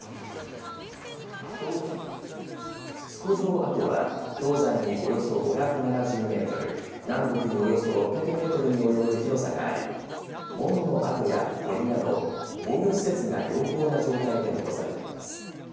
須古城跡は東西におよそ５７０メートル南北におよそ６００メートルに及ぶ広さがあり門の跡や堀など防御施設が良好な状態で残されています。